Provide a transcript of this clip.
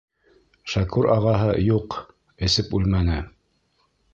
Шәкүр ағаһы, юҡ, эсеп үлмәне.